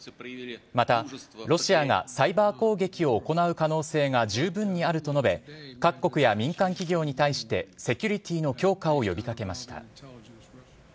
また、ロシアがサイバー攻撃を行う可能性が十分にあると述べ、各国や民間企業に対して、セキュリティーの強化を呼びかけました。